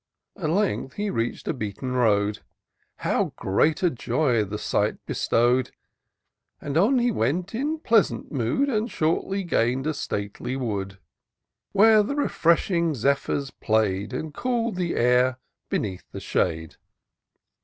At length he reach'd a beaten road ; How great a joy the sight bestow'd ! So on he went, in pleasant mood, And shortly gain'd a stately wood. Where the refreshing zephjnrs play'd. And cool'd the air beneath the shade.